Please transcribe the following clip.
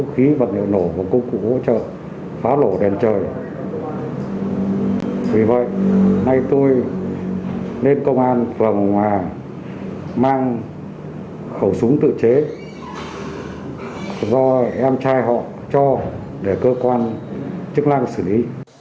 khẩu súng tự chế do em trai họ cho để cơ quan chức năng xử lý